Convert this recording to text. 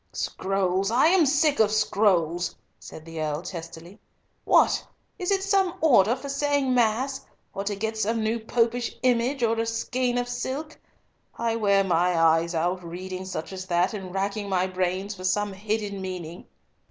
"Scrolls, I am sick of scrolls," said the Earl testily. "What! is it some order for saying mass,—or to get some new Popish image or a skein of silk? I wear my eyes out reading such as that, and racking my brains for some hidden meaning!"